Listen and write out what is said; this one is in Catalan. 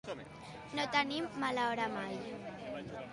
No tenir mala hora mai.